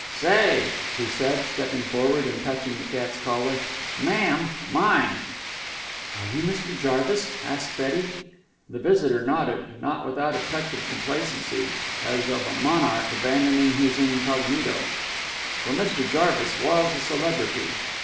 "Say!" he said, stepping forward, and touching the cat's collar. "Ma'am, mine!" "Are you Mr. Jarvis?" asked Betty. The visitor nodded, not without a touch of complacency, as of a monarch abandoning his incognito. For Mr. Jarvis was a celebrity.